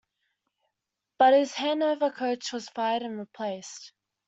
But his Hannover coach was fired and replaced.